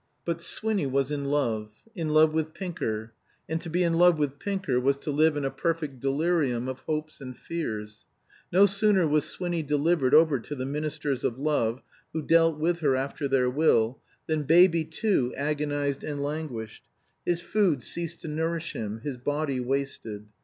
But Swinny was in love in love with Pinker. And to be in love with Pinker was to live in a perfect delirium of hopes and fears. No sooner was Swinny delivered over to the ministers of love, who dealt with her after their will, than Baby too agonized and languished. His food ceased to nourish him, his body wasted.